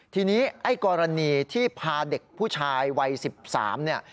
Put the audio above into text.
ทีนี้ไอ้กรณีที่พาเด็กผู้ชายวัย๑๓เนี่ย